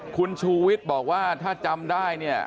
คุณชูวิทย์บอกว่าถ้าจำได้เนี่ย